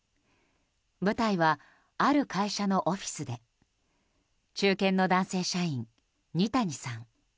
舞台は、ある会社のオフィスで中堅の男性社員・二谷さん